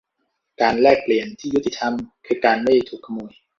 การแลกเปลี่ยนที่ยุติธรรมคือการไม่ถูกขโมย